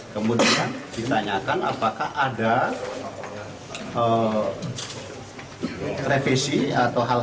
kemudian ditanyakan apakah ada revisi atau hampir